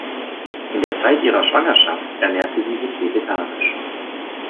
In der Zeit ihrer Schwangerschaft ernährte sie sich vegetarisch.